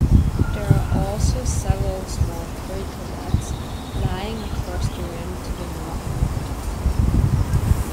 There are also several small craterlets lying across the rim to the north-northwest.